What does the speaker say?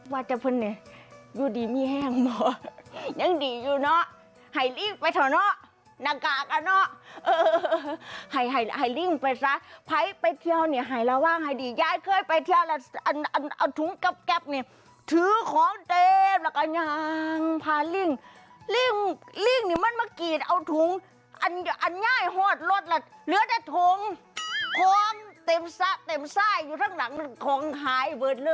ว่าเจ้าคือเด็กอยู่ดีไม่แห้งเหรอ